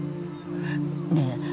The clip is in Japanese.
ねえ？